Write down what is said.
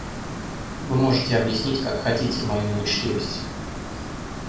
Вы можете объяснить как хотите мою неучтивость.